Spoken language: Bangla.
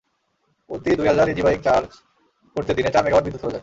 প্রতি দুই হাজার ইজিবাইক চার্জ করতে দিনে চার মেগাওয়াট বিদ্যুৎ খরচ হয়।